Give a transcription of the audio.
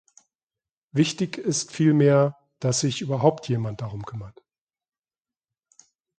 Wichtig ist vielmehr, dass sich überhaupt jemand darum kümmert.